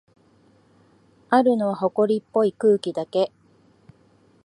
あるのは、ほこりっぽい空気だけ。